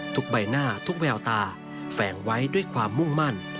ใบหน้าทุกแววตาแฝงไว้ด้วยความมุ่งมั่น